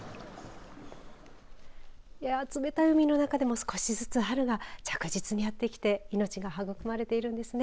冷たい海の中でも少しずつ春が着実にやってきて命が育まれているんですね。